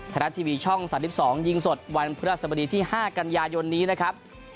ไทยรัฐทีวีช่อง๓๒ยิงสดวันพฤหัสบดีที่๕กันยายนนี้นะครับ